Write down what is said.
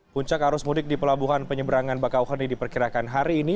puncak arus mudik di pelabuhan penyeberangan bakauheni diperkirakan hari ini